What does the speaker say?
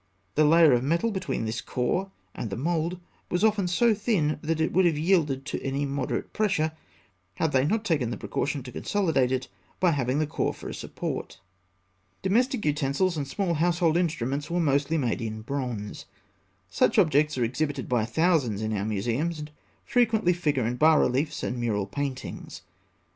The layer of metal between this core and the mould was often so thin that it would have yielded to any moderate pressure, had they not taken the precaution to consolidate it by having the core for a support. [Illustration: Fig. 276. Bronze jug.] [Illustration: Fig. 277. Same jug seen from above.] Domestic utensils and small household instruments were mostly made in bronze. Such objects are exhibited by thousands in our museums, and frequently figure in bas reliefs and mural paintings.